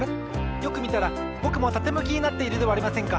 よくみたらぼくもたてむきになっているではありませんか！